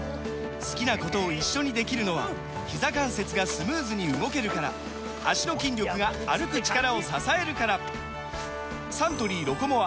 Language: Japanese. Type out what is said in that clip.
好きなことを一緒にできるのはひざ関節がスムーズに動けるから脚の筋力が歩く力を支えるからサントリー「ロコモア」！